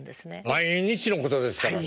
毎日のことですからね。